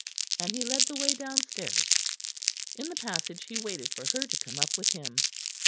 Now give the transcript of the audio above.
And he led the way downstairs. In the passage he waited for her to come up with him.